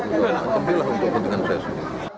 untuk kepentingan saya sendiri